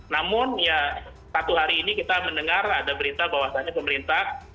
namun ya satu hari ini kita mendengar ada berita bahwasannya pemerintah